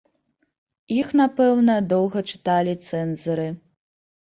Іх, напэўна, доўга чыталі цэнзары.